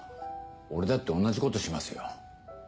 俺だって同じことしますよ。